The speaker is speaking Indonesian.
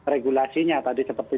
regulasinya tadi seperti